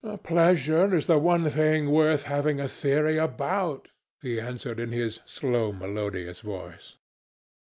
"Pleasure is the only thing worth having a theory about," he answered in his slow melodious voice.